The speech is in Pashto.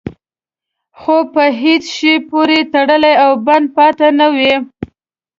خو په هېڅ شي پورې تړلی او بند پاتې نه وي.